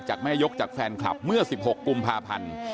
จากแม่ยกจากแฟนคลับเมื่อ๑๖กุมภาพันธ์